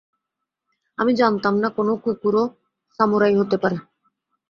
আমি জানতাম না কোনো কুকুরও সামুরাই হতে পারে।